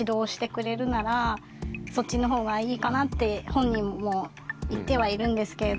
本人も言ってはいるんですけれども。